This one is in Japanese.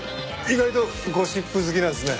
意外とゴシップ好きなんですね。